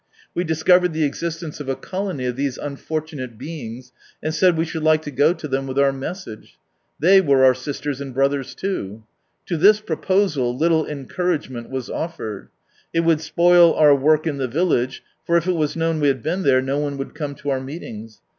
We discovered the existence of a colony of these unfortunate beings, and said we should like to go to them with our message. They were our sisters and brothers too. To this proposal, little encouragement was offered. It would spoil our work in the village, for if it was known we had been there, no one would come to our meetings.